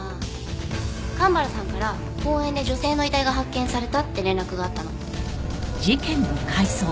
蒲原さんから公園で女性の遺体が発見されたって連絡があったの。